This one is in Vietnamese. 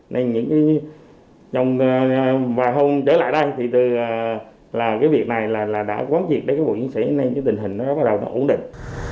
nên những và không trở lại đây thì từ là cái việc này là đã quán trị để các bộ diễn sĩ nên tình hình nó bắt đầu ổn định